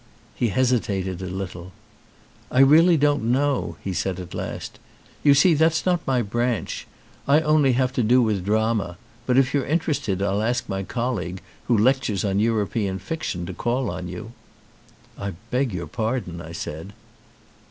He hesitated a little. "I really don't know," he said at last, "you see, that's not my branch, I only have to do with drama; but if you're interested I'll ask my col league who lectures on European fiction to call on you." "I beg your pardon," I said.